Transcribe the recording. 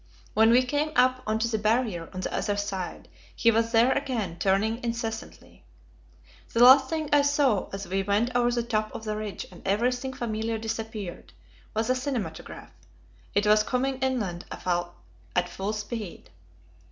When we came up on to the Barrier on the other side, he was there again, turning incessantly. The last thing I saw, as we went over the top of the ridge and everything familiar disappeared, was a cinematograph; it was coming inland at full speed.